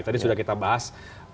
tadi sudah kita bahas